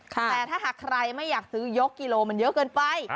แต่ถ้าหากใครไม่อยากซื้อยกกิโลมันเยอะเกินไป